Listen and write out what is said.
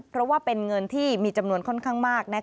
เพราะว่าเป็นเงินที่มีจำนวนค่อนข้างมาก